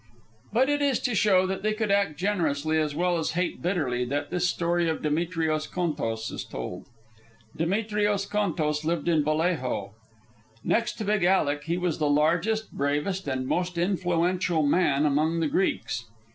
But it is to show that they could act generously as well as hate bitterly that this story of Demetrios Contos is told. Demetrios Contos lived in Vallejo. Next to Big Alec, he was the largest, bravest, and most influential man among the Greeks.